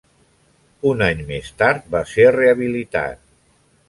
Un any més tard, va ser rehabilitat.